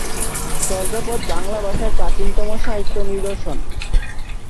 চর্যাপদ বাংলা ভাষার প্রাচীনতম সাহিত্য নিদর্শন।